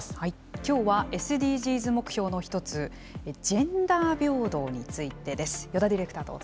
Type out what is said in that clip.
きょうはＳＤＧｓ目標の一つ、ジェンダー平等についてです。